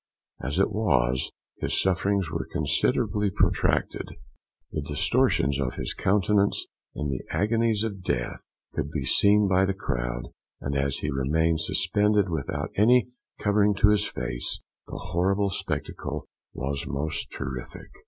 As it was, his sufferings were considerably protracted. The distortions of his countenance, in the agonies of death, could be seen by the crowd; and, as he remained suspended without any covering to his face, the horrible spectacle was most terrific.